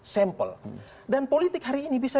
sampel dan politik hari ini bisa